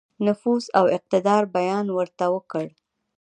نفوذ او اقتدار بیان ورته وکړ.